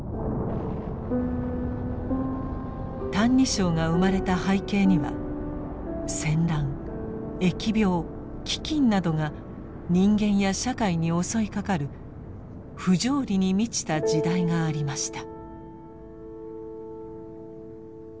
「歎異抄」が生まれた背景には戦乱疫病飢饉などが人間や社会に襲いかかる不条理に満ちた時代がありました。